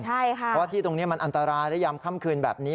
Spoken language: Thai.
เพราะว่าที่ตรงนี้มันอันตรายและยามค่ำคืนแบบนี้